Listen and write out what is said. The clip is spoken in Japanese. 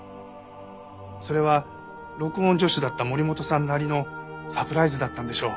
それは録音助手だった森本さんなりのサプライズだったんでしょう。